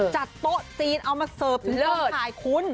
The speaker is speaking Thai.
จัดโต๊ะจีนเอามาเสิร์ฟถึงห้องถ่ายคุณ